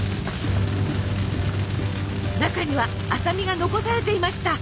中には麻美が残されていました。